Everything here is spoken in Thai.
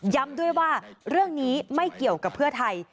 ด้วยว่าเรื่องนี้ไม่เกี่ยวกับเพื่อไทย